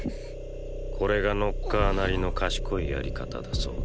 これがノッカーなりの賢いやり方だそうだ。